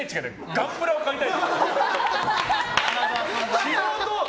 ガンプラを買いたい。